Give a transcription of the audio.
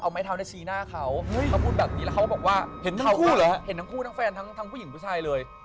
มีทั้งคู่ทั้งแฟนทั้งผู้หญิงผู้ชายเลย